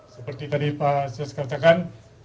seperti tadi pak sius katakan